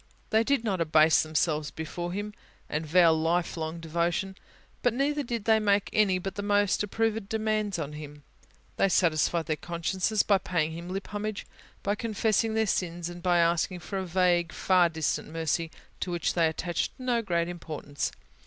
They did not abase themselves before Him, and vow a lifelong devotion; but neither did they make any but the most approved demands on Him. They satisfied their consciences by paying Him lip homage, by confessing their sins, and by asking for a vague, far distant mercy, to which they attached no great importance.